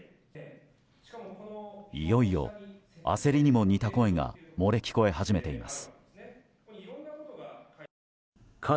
いよいよ、焦りにも似た声が漏れ聞こえ始めています。